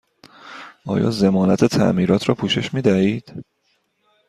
آیا ضمانت تعمیرات را پوشش می دهد؟